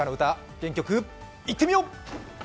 元気よく、いってみよう！